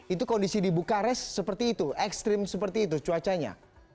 itu kondisi di bukares seperti itu ekstrim seperti itu cuacanya